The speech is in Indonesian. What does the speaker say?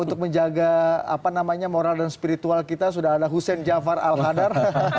untuk menjaga moral dan spiritual kita sudah ada hussein jafar al hadar